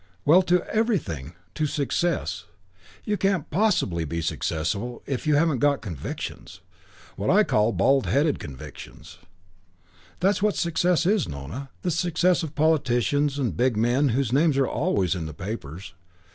"Well, to everything; to success. You can't possibly be successful if you haven't got convictions what I call bald headed convictions. That's what success is, Nona, the success of politicians and big men whose names are always in the papers.